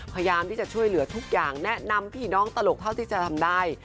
พยายามที่จะช่วยเหลือทุกอย่างแนะนำพี่น้องตลกเท่าที่จะทำได้